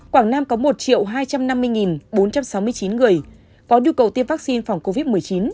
quảng nam có một hai trăm năm mươi bốn trăm sáu mươi chín người có nhu cầu tiêm vaccine phòng covid một mươi chín